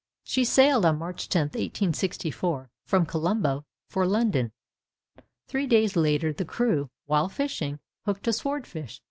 She sailed on March 10, 1864, from Colombo, for London. Three days later, the crew, while fishing, hooked a sword fish.